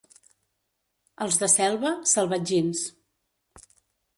Els de Selva, salvatgins.